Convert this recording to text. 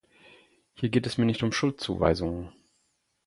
Hier geht es mir nicht um Schuldzuweisungen.